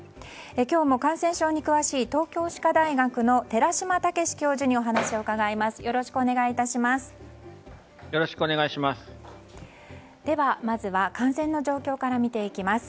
今日も感染症に詳しい東京歯科大学の寺嶋毅教授にお話を伺います。